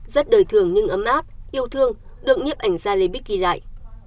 rất đời thường nhưng ấm áp yêu thương được nhếp ảnh ra lê bích ghi lại